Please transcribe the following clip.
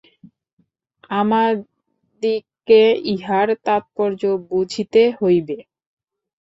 আমাদিগকে ইহার তাৎপর্য বুঝিতে হইবে।